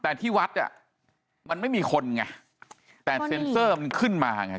แต่ที่วัดอ่ะมันไม่มีคนไงแต่เซ็นเซอร์มันขึ้นมาไง